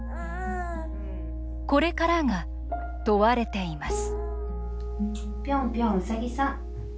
これからが問われています